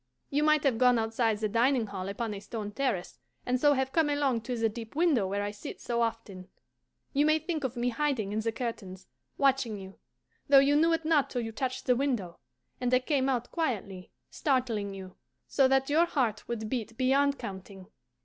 You might have gone outside the dining hall upon a stone terrace, and so have come along to the deep window where I sit so often. You may think of me hiding in the curtains, watching you, though you knew it not till you touched the window and I came out quietly, startling you, so that your heart would beat beyond counting.